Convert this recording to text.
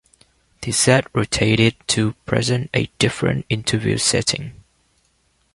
The set rotated to present a different interview setting.